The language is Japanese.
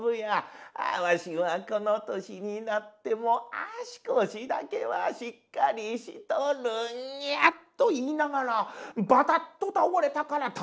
わしはこの年になっても足腰だけはしっかりしとるんや」と言いながらバタッと倒れたからたまらない。